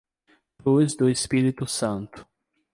Cruz do Espírito Santo